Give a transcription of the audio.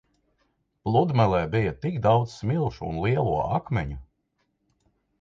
Pludmalē bija tik daudz smilšu un lielo akmeņu.